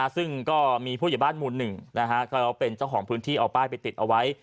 ซึ่งก็มีผู้ใหญ่บ้านหมู่๑เขาเป็นเจ้าของพื้นที่เอาป้ายไปติดเอาไว้